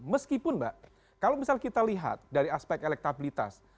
meskipun mbak kalau misal kita lihat dari aspek elektabilitas